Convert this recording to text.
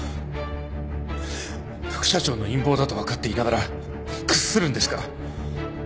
副社長の陰謀だと分かっていながら屈するんですか？